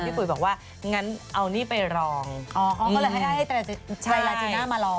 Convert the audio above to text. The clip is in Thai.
พี่ปุ๋ยบอกว่างั้นเอานี่ไปรองอ๋อเขาก็เลยให้ให้ใช่มารอง